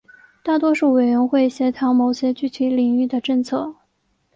大多数委员会协调某些具体领域的政策。